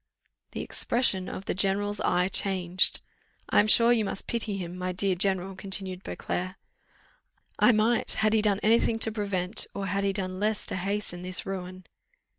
The expression of the general's eye changed. "I am sure you must pity him, my dear general," continued Beauclerc. "I might, had he done any thing to prevent, or had he done less to hasten, this ruin."